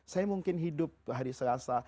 saya mungkin hidup hari selasa